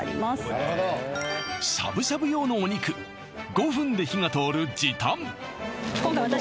なるほどしゃぶしゃぶ用のお肉５分で火が通る時短